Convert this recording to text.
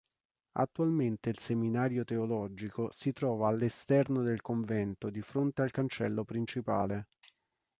Attualmente il Seminario Teologico si trova all'esterno del convento di fronte al cancello principale.